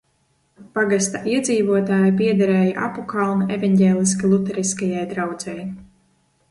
Pagasta iedzīvotāji piederēja Apukalna evaņģēliski luteriskajai draudzei.